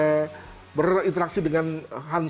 dan juga berinteraksi dengan keluarga